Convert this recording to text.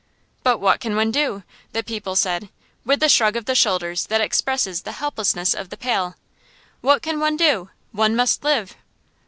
"But what can one do?" the people said, with the shrug of the shoulders that expresses the helplessness of the Pale. "What can one do? One must live."